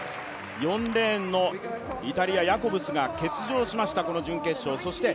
４レーンのイタリアのヤコブスが欠場しました。